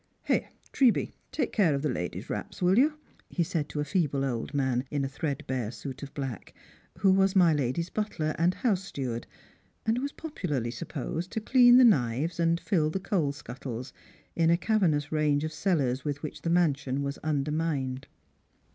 Here, Treby, take care of the ladies' wraps, will you," he said to a feeble old man in a threadbare suit of black, who Avas my lady's butler and house steward, and was popularly supposed to clean the knives and fill the coal (Bcuttles in a, cavernous range of cellars with which the mansion was undermined.